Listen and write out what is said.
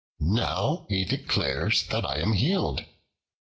Now he declares that I am healed.